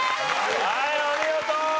はいお見事！